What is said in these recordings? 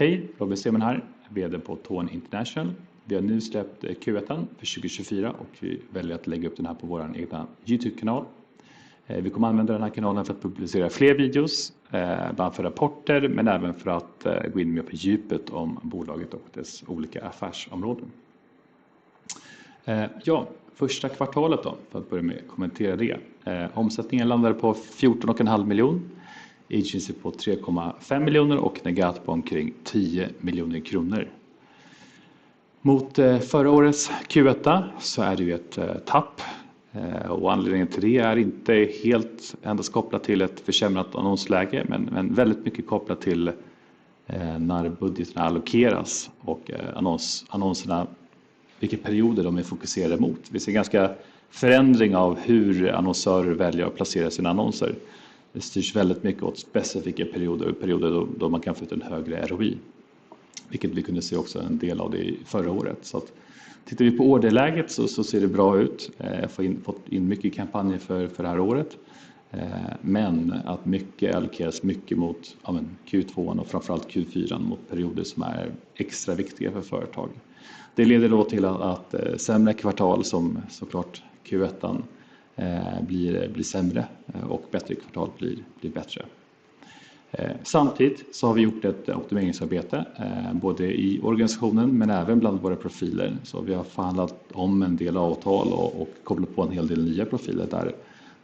Hej, Robin Stenman här, VD på Tourn International. Vi har nu släppt Q1 för 2024 och vi väljer att lägga upp den här på vår egna YouTube-kanal. Vi kommer att använda den här kanalen för att publicera fler videos, bland annat för rapporter, men även för att gå in mer på djupet om bolaget och dess olika affärsområden. Ja, första kvartalet då, för att börja med att kommentera det. Omsättningen landade på 14,5 miljoner kronor, Agency på 3,5 miljoner kronor och Negat på omkring 10 miljoner kronor. Mot förra årets Q1 så är det ju ett tapp och anledningen till det är inte helt endast kopplat till ett försämrat annonsläge, men väldigt mycket kopplat till när budgeterna allokeras och annonserna, vilket period de är fokuserade mot. Vi ser ganska stor förändring av hur annonsörer väljer att placera sina annonser. Det styrs väldigt mycket åt specifika perioder, perioder då man kan få ett högre ROI, vilket vi kunde se också en del av det i förra året. Tittar vi på orderläget så ser det bra ut. Fått in mycket kampanjer för det här året, men att mycket allokeras mycket mot Q2 och framför allt Q4, mot perioder som är extra viktiga för företag. Det leder då till att sämre kvartal, som så klart Q1, blir sämre och bättre kvartal blir bättre. Samtidigt så har vi gjort ett optimeringsarbete, både i organisationen men även bland våra profiler. Vi har förhandlat om en del avtal och kopplat på en hel del nya profiler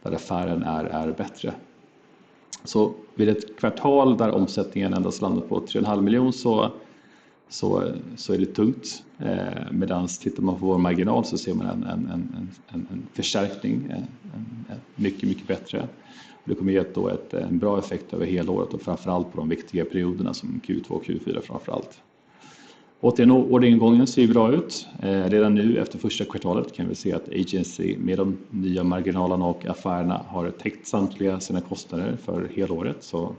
där affären är bättre. Vid ett kvartal där omsättningen endast landar på 3,5 miljoner så är det tungt. Medan tittar man på vår marginal så ser man en förstärkning, en mycket, mycket bättre. Det kommer att ge en bra effekt över helåret och framför allt på de viktiga perioderna som Q2, Q4 framför allt. Återigen, orderingången ser ju bra ut. Redan nu, efter första kvartalet, kan vi se att Agency med de nya marginalerna och affärerna har täckt samtliga sina kostnader för helåret. Så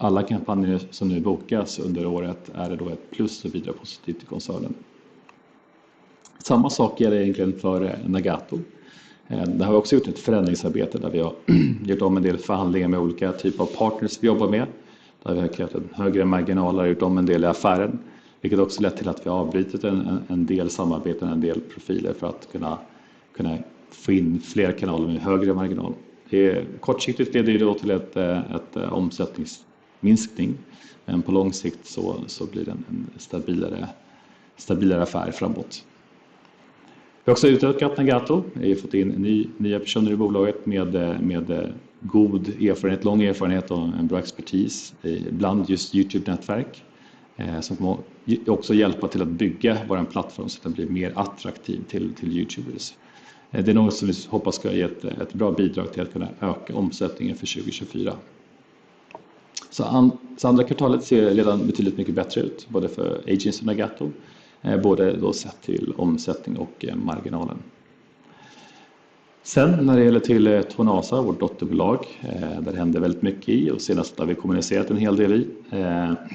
alla kampanjer som nu bokas under året är det då ett plus och bidrar positivt till koncernen. Samma sak är det egentligen för Nagato. Det har också gjort ett förändringsarbete där vi har gjort om en del förhandlingar med olika typer av partners vi jobbar med. Det har verkligen högre marginaler, gjort om en del i affären, vilket också lett till att vi har avbrutit en del samarbeten, en del profiler för att kunna få in fler kanaler med högre marginal. Kortsiktigt leder det då till en omsättningsminskning, men på lång sikt så blir det en stabilare affär framåt. Vi har också utökat Nagato, vi har fått in nya personer i bolaget med god erfarenhet, lång erfarenhet och en bra expertis, bland annat YouTube-nätverk, som också hjälper till att bygga vår plattform så den blir mer attraktiv till YouTubers. Det är något som vi hoppas ska ge ett bra bidrag till att kunna öka omsättningen för 2024. Så andra kvartalet ser redan betydligt mycket bättre ut, både för Agency och Nagato, både sett till omsättning och marginalen. Sen när det gäller till Tourn, vårt dotterbolag, det händer väldigt mycket i och senast har vi kommunicerat en hel del i.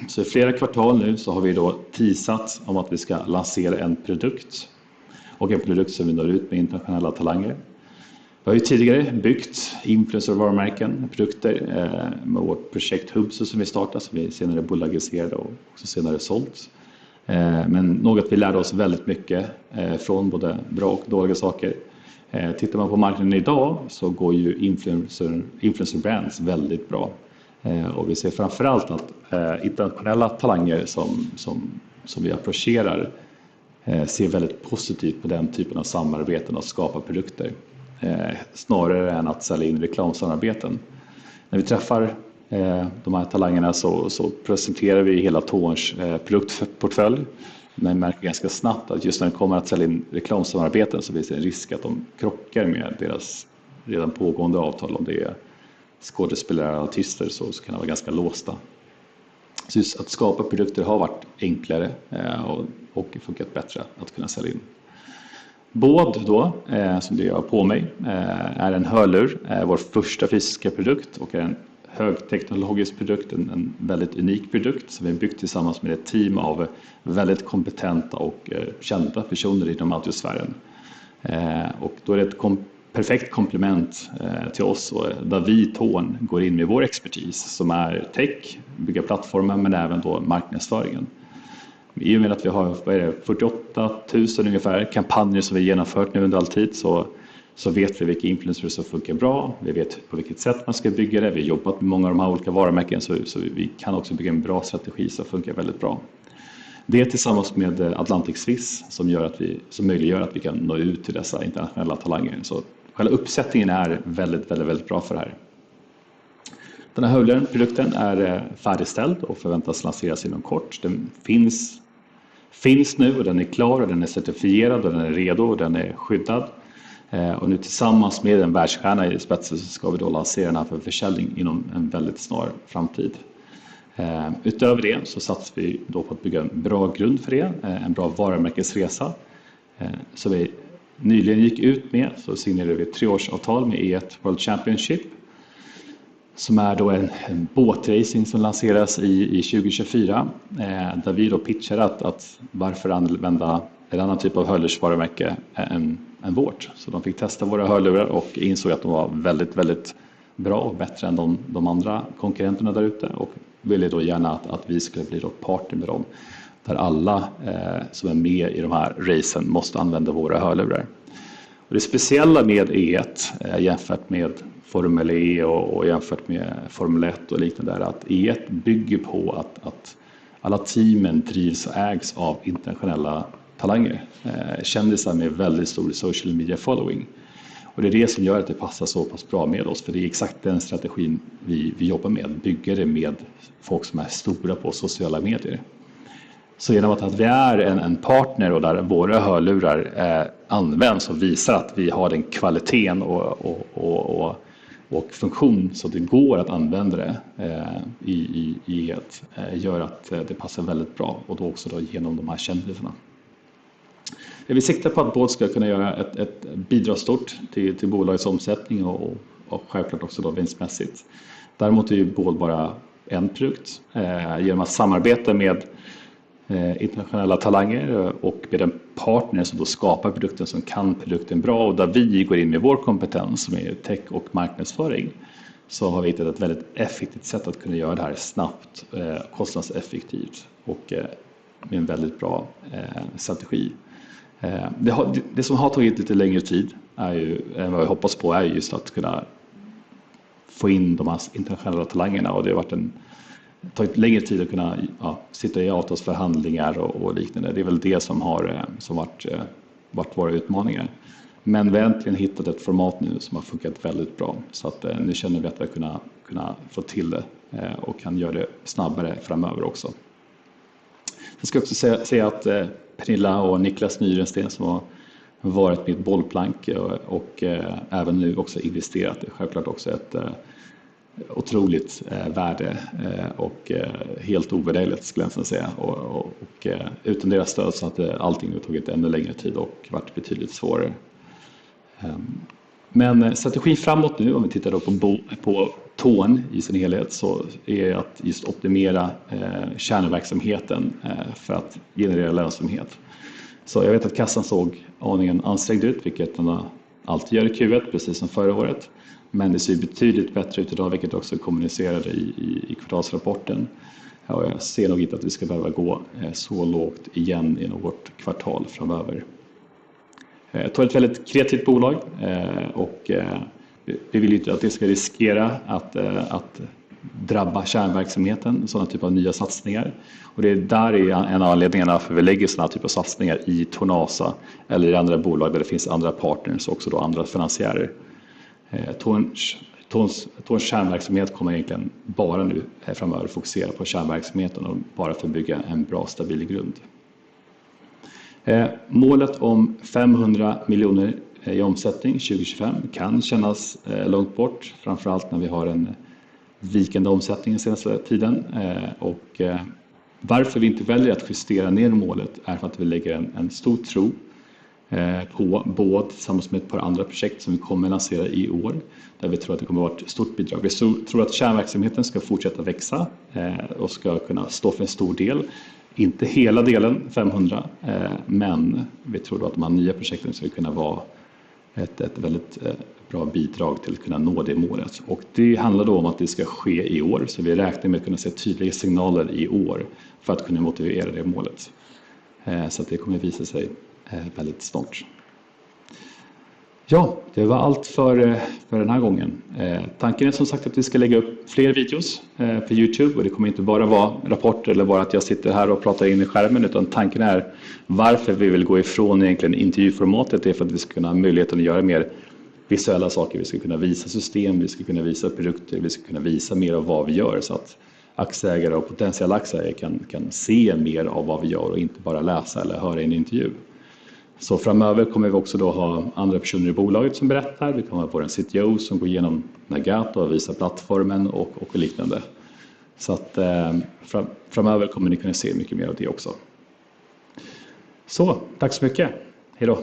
Så i flera kvartal nu så har vi då teasat om att vi ska lansera en produkt och en produkt som vi når ut med internationella talanger. Vi har ju tidigare byggt influencer varumärken, produkter med vårt projekt Hubso, som vi startade, som vi senare bolagiserade och senare sålde. Men något vi lärde oss väldigt mycket från både bra och dåliga saker. Tittar man på marknaden idag så går ju influencer, influencer brands väldigt bra och vi ser framför allt att internationella talanger som vi approcherar ser väldigt positivt med den typen av samarbeten att skapa produkter, snarare än att sälja in reklamsamarbeten. När vi träffar de här talangerna så presenterar vi hela Torns produktportfölj, men märker ganska snabbt att just när det kommer att sälja in reklamsamarbeten så finns det en risk att de krockar med deras redan pågående avtal. Om det är skådespelare, artister, så kan de vara ganska låsta. Att skapa produkter har varit enklare och funkat bättre att kunna sälja in. BOYD då, som det jag har på mig, är en hörlur, vår första fysiska produkt och en högteknologisk produkt, en väldigt unik produkt som vi har byggt tillsammans med ett team av väldigt kompetenta och kända personer inom audiosfären. Det är ett perfekt komplement till oss, där vi Torn går in med vår expertis som är tech, bygga plattformar, men även då marknadsföringen. I och med att vi har fyrtioåtta tusen ungefär kampanjer som vi genomfört nu under all tid, så vet vi vilka influencers som funkar bra. Vi vet på vilket sätt man ska bygga det. Vi jobbat med många av de här olika varumärken, så vi kan också bygga en bra strategi som funkar väldigt bra. Det tillsammans med Atlantic Swiss, som gör att vi, som möjliggör att vi kan nå ut till dessa internationella talanger. Så själva uppsättningen är väldigt, väldigt, väldigt bra för det här. Den här hörlurprodukten är färdigställd och förväntas lanseras inom kort. Den finns, finns nu och den är klar och den är certifierad och den är redo och den är skyddad. Nu tillsammans med en världsstjärna i spetsen, så ska vi då lansera den för försäljning inom en väldigt snar framtid. Utöver det så satsar vi då på att bygga en bra grund för det, en bra varumärkesresa. Som vi nyligen gick ut med, så signerade vi ett treårsavtal med E1 World Championship som är då en båtrace som lanserades 2024, där vi då pitchade att varför använda en annan typ av hörlursvarumärke än vårt? Så de fick testa våra hörlurar och insåg att de var väldigt, väldigt bra och bättre än de andra konkurrenterna där ute och ville då gärna att vi skulle bli partner med dem, där alla som är med i de här racen måste använda våra hörlurar. Det speciella med E1, jämfört med Formel E och jämfört med Formel 1 och liknande, är att E1 bygger på att alla teamen drivs och ägs av internationella talanger, kändisar med väldigt stor social media following. Och det är det som gör att det passar så pass bra med oss, för det är exakt den strategin vi jobbar med, bygger det med folk som är stora på sociala medier. Så genom att vi är en partner och där våra hörlurar används och visar att vi har den kvaliteten och funktion så det går att använda det i E1 gör att det passar väldigt bra och då också igenom de här kändiserna. Det vi siktar på att båda ska kunna göra ett, bidra stort till bolagets omsättning och självklart också vinstmässigt. Däremot är ju BOYD bara en produkt. Genom att samarbeta med internationella talanger och med den partnern som då skapar produkten, som kan produkten bra och där vi går in med vår kompetens som är tech och marknadsföring, så har vi hittat ett väldigt effektivt sätt att kunna göra det här snabbt, kostnadseffektivt och med en väldigt bra strategi. Det som har tagit lite längre tid är ju, än vad vi hoppas på, är just att kunna få in de här internationella talangerna och det har varit en, tagit längre tid att kunna sitta i åt oss förhandlingar och liknande. Det är väl det som har, som varit, varit våra utmaningar. Men vi har äntligen hittat ett format nu som har funkat väldigt bra, så att nu känner vi att vi har kunnat, kunnat få till det och kan göra det snabbare framöver också. Jag ska också säga att Pernilla och Niclas Nyrensten, som har varit mitt bollplank och även nu också investerat, är självklart också ett otroligt värde och helt ovärderligt skulle jag nästan säga. Utan deras stöd så hade allting tagit ännu längre tid och varit betydligt svårare. Men strategin framåt nu, om vi tittar på TOURN i sin helhet, så är att just optimera kärnverksamheten för att generera lönsamhet. Jag vet att kassan såg aningen ansträngd ut, vilket den alltid gör i Q1, precis som förra året, men det ser betydligt bättre ut i dag, vilket också är kommunicerat i kvartalsrapporten. Jag ser nog inte att vi ska behöva gå så lågt igen i något kvartal framöver. Det är ett väldigt kreativt bolag och vi vill inte att det ska riskera att drabba kärnverksamheten, sådana typ av nya satsningar. Och det är där är en av anledningarna varför vi lägger sådana här typ av satsningar i Tourn eller i andra bolag där det finns andra partners och också då andra finansiärer. Torns kärnverksamhet kommer egentligen bara nu framöver fokusera på kärnverksamheten och bara för att bygga en bra, stabil grund. Målet om 500 miljoner i omsättning 2025 kan kännas långt bort, framför allt när vi har en vikande omsättning den senaste tiden. Varför vi inte väljer att justera ner målet är för att vi lägger en stor tro på båd, tillsammans med ett par andra projekt som vi kommer lansera i år, där vi tror att det kommer vara ett stort bidrag. Vi tror att kärnverksamheten ska fortsätta växa och ska kunna stå för en stor del, inte hela delen, 500, men vi tror att de nya projekten ska kunna vara ett väldigt bra bidrag till att kunna nå det målet. Det handlar då om att det ska ske i år, så vi räknar med att kunna se tydliga signaler i år för att kunna motivera det målet. Det kommer att visa sig väldigt snart. Ja, det var allt för den här gången. Tanken är som sagt att vi ska lägga upp fler videos för YouTube och det kommer inte bara vara rapporter eller bara att jag sitter här och pratar in i skärmen, utan tanken är varför vi vill gå ifrån egentligen intervjuformatet, är för att vi ska kunna ha möjligheten att göra mer visuella saker. Vi ska kunna visa system, vi ska kunna visa produkter, vi ska kunna visa mer av vad vi gör så att aktieägare och potentiella aktieägare kan se mer av vad vi gör och inte bara läsa eller höra en intervju. Framöver kommer vi också då ha andra personer i bolaget som berättar. Vi kommer att ha vår CTO som går igenom Nagat och visar plattformen och liknande. Framöver kommer ni kunna se mycket mer av det också. Tack så mycket. Hejdå!